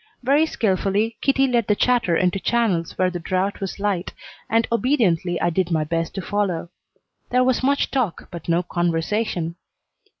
Very skilfully Kitty led the chatter into channels where the draught was light, and obediently I did my best to follow. There was much talk, but no conversation.